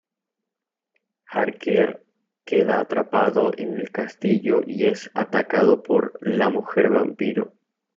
Harker queda atrapado en el castillo y es atacado por la mujer vampiro.